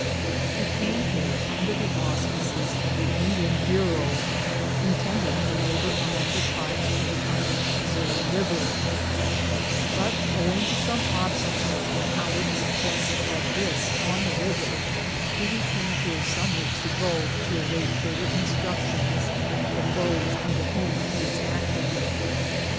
He came here under the auspices of the Indian Bureau, intending to labor among the tribes of the Upper Missouri River, but owing to some obstacles encountered at points above this on the river, he returned here some weeks ago to await further in structions from those under whom he is acting.